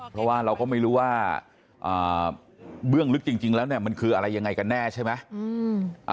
เพราะว่าเราก็ไม่รู้ว่าเบื้องลึกจริงแล้วเนี่ยมันคืออะไรยังไงกันแน่ใช่ไหม